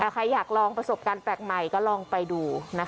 ใครอยากลองประสบการณ์แปลกใหม่ก็ลองไปดู